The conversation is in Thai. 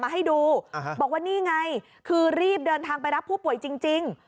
ให้ดูบอกว่านี่ไงคือรีบเดินทางไปรับผู้ป่วยจริง